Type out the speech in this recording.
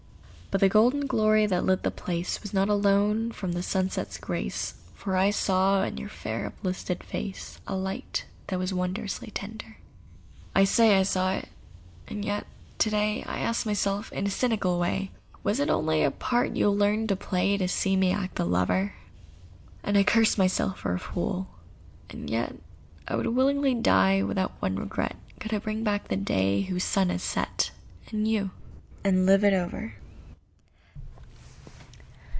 But the golden glory that lit the place Was not alone from the sunset's grace— For I saw in your fair, uplifted face A light that was wondrously tender. I say I saw it. And yet to day I ask myself, in a cynical way, Was it only a part you had learned to play, To see me act the lover? And I curse myself for a fool. And yet I would willingly die without one regret Could I bring back the day whose sun has set— And you—and live it over.